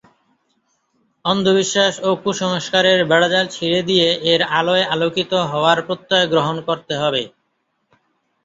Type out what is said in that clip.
অন্ধবিশ্বাস ও কুসংস্কারের বেড়াজাল ছিঁড়ে দিয়ে এর আলোয় আলোকিত হওয়ার প্রত্যয় গ্রহণ করতে হবে।